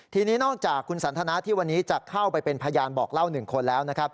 ทีนี้นอกจากคุณสันทนาที่วันนี้จะเข้าไปเป็นพยานบอกเล่า๑คนแล้วนะครับ